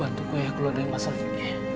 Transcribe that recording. bantuku ya keluar dari masa ini